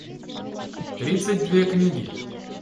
тридцать две книги